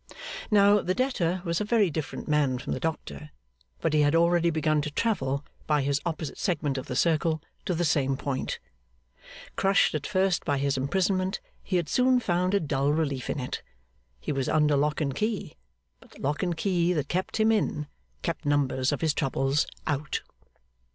Now, the debtor was a very different man from the doctor, but he had already begun to travel, by his opposite segment of the circle, to the same point. Crushed at first by his imprisonment, he had soon found a dull relief in it. He was under lock and key; but the lock and key that kept him in, kept numbers of his troubles out.